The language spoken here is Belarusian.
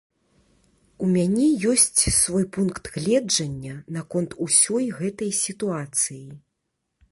У мяне ёсць свой пункт гледжання наконт усёй гэтай сітуацыі.